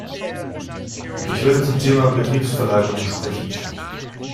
Ich werde zum Thema Betriebsverlagerung sprechen.